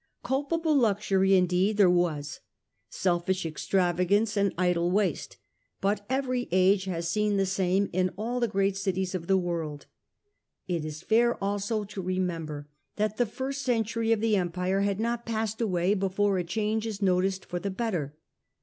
Culpable luxury, indeed, there was — selfish extravagance and idle waste but every age has seen the same in all the great cities of the world. It is fair also to remember that the first century of the Empire had not passed away before a change is noticed for the better.